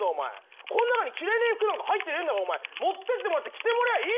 この中に着れねえ服なんか入ってねえんだから持ってってもらって着てもらえりゃいいだろうが。